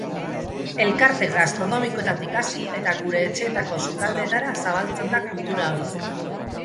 Elkarte gastronomikoetatik hasi, eta gure etxeetako sukaldeetara zabaltzen da kultura hori.